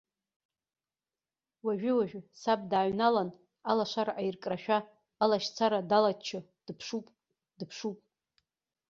Уажәы-уажәы саб дааҩналан, алашара аиркрашәа, алашьцара далаччо дыԥшуп, дыԥшуп.